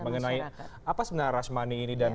mengenai apa sebenarnya rajmani ini